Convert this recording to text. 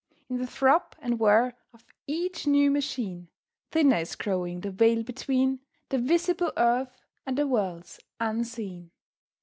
In the throb and whir of each new machine Thinner is growing the veil between The visible earth and the worlds unseen.